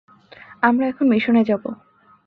আমরা এখন মিশনে যাবো।